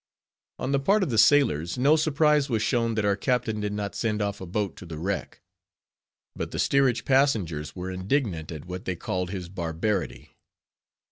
On the part of the sailors, no surprise was shown that our captain did not send off a boat to the wreck; but the steerage passengers were indignant at what they called his barbarity.